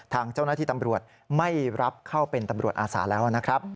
ทางเจ้าหน้าที่ตำรวจไม่รับเข้าเป็นตำรวจอาสาแล้วนะครับ